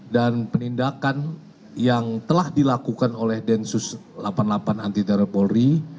dan penindakan yang telah dilakukan oleh densus delapan puluh delapan anti teror polri